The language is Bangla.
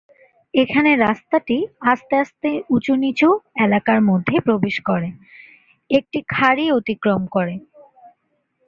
এখানে রাস্তাটি আস্তে আস্তে উচু-নিচু এলাকার মধ্যে প্রবেশ করে, একটি খাঁড়ি অতিক্রম করে।